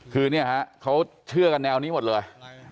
คือเนี่ยฮะเขาเชื่อกันแนวนี้หมดเลย